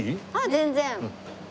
全然！